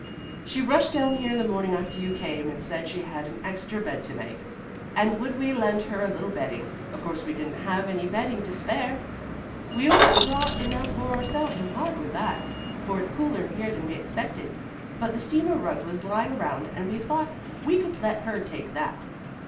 "She rushed down here the morning after you came and said she had an extra bed to make, and would we lend her a little bedding. Of course we didn't have any bedding to spare. We'd only brought enough for ourselves and hardly that, for it's cooler here than we expected. But the steamer rug was lying around and we thought we could let her take that."